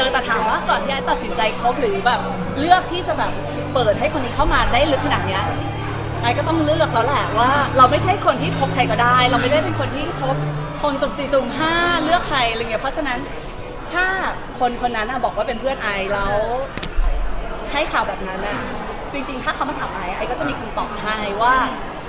แต่ถามว่าก่อนที่ไอซ์ตัดสินใจคบหรือแบบเลือกที่จะแบบเปิดให้คนนี้เข้ามาได้ลึกขนาดเนี้ยไอก็ต้องเลือกแล้วแหละว่าเราไม่ใช่คนที่คบใครก็ได้เราไม่ได้เป็นคนที่ครบคนสุ่มสี่สุ่มห้าเลือกใครอะไรอย่างเงี้เพราะฉะนั้นถ้าคนคนนั้นอ่ะบอกว่าเป็นเพื่อนไอแล้วให้ข่าวแบบนั้นจริงถ้าเขามาถามไอไอก็จะมีคำตอบให้ว่า